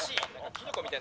キノコみたい」。